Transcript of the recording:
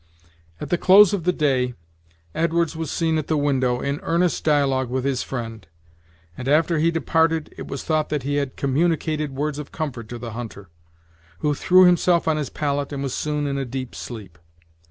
At the close of the day, Edwards was seen at the window, in earnest dialogue with his friend; and after he departed it was thought that he had communicated words of comfort to the hunter, who threw himself on his pallet and was soon in a deep sleep.